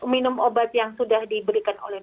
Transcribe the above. minum obat yang sudah diberikan oleh